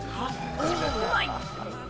うまい。